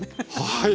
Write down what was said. はい。